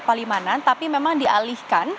palimanan tapi memang dialihkan